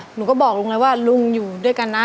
หนูก็บอกลุงเลยว่าลุงอยู่ด้วยกันนะ